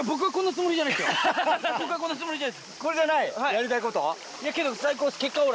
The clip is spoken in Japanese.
やりたいこと。